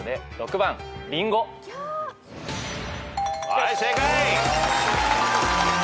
はい正解！